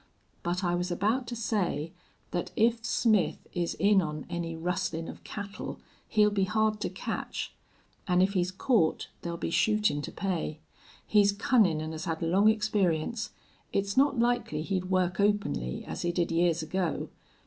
"But I was about to say that if Smith is in on any rustlin' of cattle he'll be hard to catch, an' if he's caught there'll be shootin' to pay. He's cunnin' an' has had long experience. It's not likely he'd work openly, as he did years ago.